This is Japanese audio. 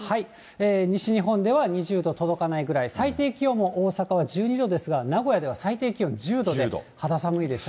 西日本では２０度届かないくらい、最低気温も大阪は１２度ですが、名古屋では最低気温１０度です。